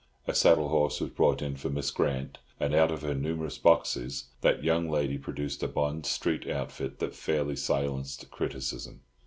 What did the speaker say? A saddle horse was brought in for Miss Grant, and out of her numerous boxes that young lady produced a Bond Street outfit that fairly silenced criticism.